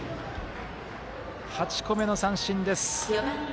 ８個目の三振です。